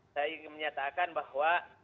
saya ingin menyatakan bahwa